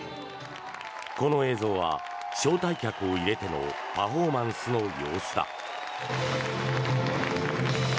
この映像は招待客を入れてのパフォーマンスの様子だ。